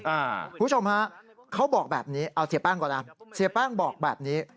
คุณผู้ชมฮะเขาบอกแบบนี้เอาเสียแป้งก่อนนะเสียแป้งบอกแบบนี้